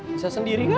bisa sendiri kan